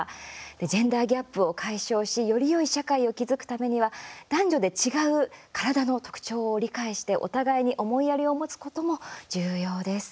ジェンダーギャップを解消しよりよい社会を築くためには男女で違う体の特徴を理解してお互いに思いやりを持つことも重要です。